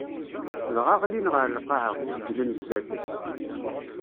Dɣa ɣlin ɣer lqaɛa, seǧǧden zdat-s.